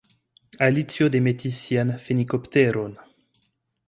Alicio demetis sian fenikopteron.